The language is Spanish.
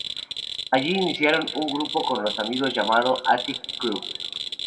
Allí iniciaron un grupo con unos amigos llamado Attic Crew.